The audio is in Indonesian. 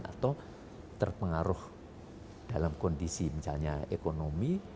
atau terpengaruh dalam kondisi misalnya ekonomi